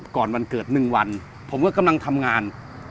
วันเกิด๑วันผมก็กำลังทำงาน